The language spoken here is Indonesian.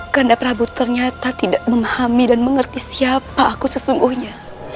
karena prabu ternyata tidak memahami dan mengerti siapa aku sesungguhnya